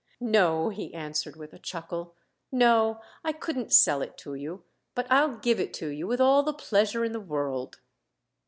"No," he answered with a chuckle, "no I couldn't sell it to you; but I'll give it to you with all the pleasure in the world!"